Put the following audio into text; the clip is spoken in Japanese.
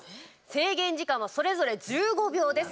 制限時間はそれぞれ１５秒です。